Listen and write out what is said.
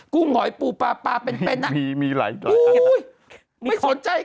ุ้งหอยปูปลาปลาเป็นเป็นอ่ะมีมีหลายตัวไม่สนใจ